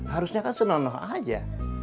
harusnya kan senonoh aja